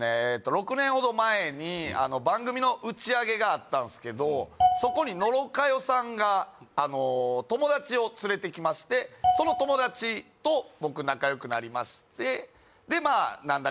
６年ほど前に番組の打ち上げがあったんすけどそこに野呂佳代さんが友達を連れてきましてその友達と僕仲良くなりましてでまあなんだ